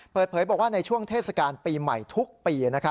เปิดเผยบอกว่าในช่วงเทศกาลปีใหม่ทุกปี